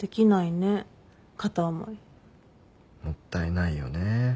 もったいないよね。